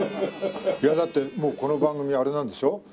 いやだってもうこの番組あれなんでしょ？